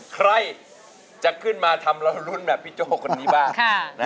ใครจะขึ้นมาทำเรารุ้นแบบพี่โจ้คนนี้บ้าง